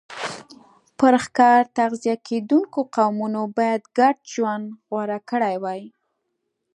پر ښکار تغذیه کېدونکو قومونو باید ګډ ژوند غوره کړی وای